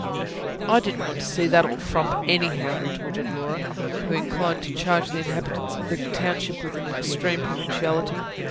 "I didn't want to see that old frump anyhow," retorted Laura, who inclined to charge the inhabitants of the township with an extreme provinciality.